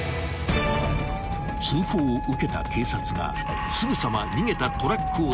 ［通報を受けた警察がすぐさま逃げたトラックを］